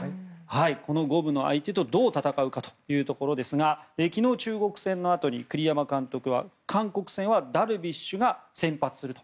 この五分の相手とどう戦うかというところですが昨日、中国戦のあと栗山監督は韓国戦はダルビッシュが先発すると。